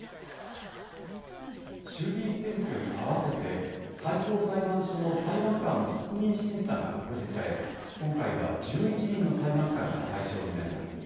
衆議院選挙にあわせて、最高裁判所の裁判官の国民審査が告示され、今回は１１人の裁判官が対象になります。